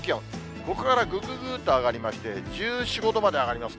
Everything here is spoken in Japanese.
ここからぐぐぐっと上がりまして、１４、５度まで上がりますね。